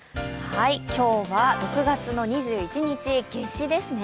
今日は６月２１日、夏至ですね。